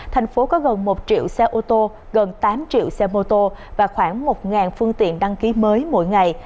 thành phố có gần một triệu xe ô tô gần tám triệu xe mô tô và khoảng một phương tiện đăng ký mới mỗi ngày